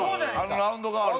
あのラウンドガールの。